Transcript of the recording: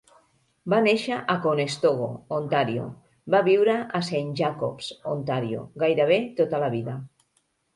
Va néixer a Conestogo, Ontario, va viure a Saint Jacobs, Ontario, gairebé tota la vida.